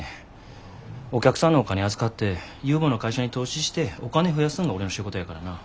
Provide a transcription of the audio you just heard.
お客さんのお金預かって有望な会社に投資してお金増やすんが俺の仕事やからな。